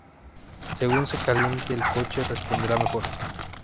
Según se caliente el coche responderá mejor.